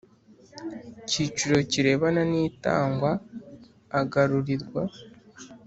Cyiciro kirebana n itangwa agarurirwa